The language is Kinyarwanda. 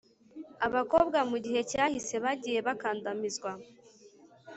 abakobwa mu gihe cyahise bagiye bakandamizwa,